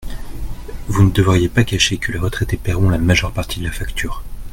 Vous ne devriez pas cacher que les retraités paieront la majeure partie de la facture.